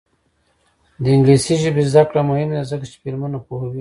د انګلیسي ژبې زده کړه مهمه ده ځکه چې فلمونه پوهوي.